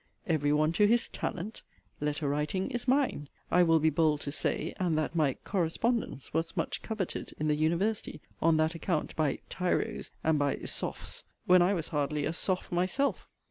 Every one to his 'talent.' 'Letter writing' is mine. I will be bold to say; and that my 'correspondence' was much coveted in the university, on that account, by 'tyros,' and by 'sophs,' when I was hardly a 'soph' myself.